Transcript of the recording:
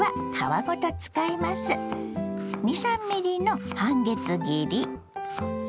２３ｍｍの半月切り。